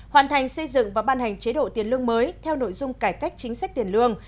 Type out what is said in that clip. hoàn thành xây dựng và ban hành chế độ tiền lương mới theo nội dung cải cách chính sách tiền lương